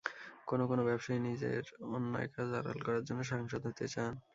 কোনো কোনো ব্যবসায়ী নিজের অন্যায় কাজ আড়াল করার জন্য সাংসদ হতে চান।